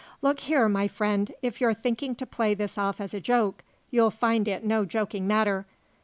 "Look here, my friend, if you're thinking to play this off as a joke you'll find it no joking matter.